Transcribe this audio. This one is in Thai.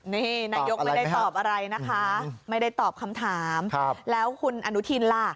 นี่นายกไม่ได้ตอบอะไรนะคะไม่ได้ตอบคำถามแล้วคุณอนุทินล่ะ